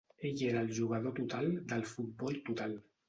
Ell era el ‘jugador total’ del ‘futbol total’.